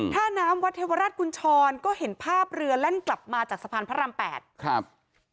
ท่าน้ำวัดเทวราชกุญชรก็เห็นภาพเรือแล่นกลับมาจากสะพานพระราม๘ครับ